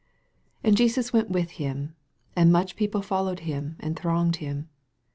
24 And Jesus went with him ; and much people followed him, and thronged him.